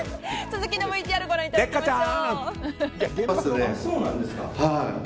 続きのＶＴＲご覧いただきましょう。